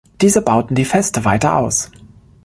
Diese bauten die Feste weiter aus.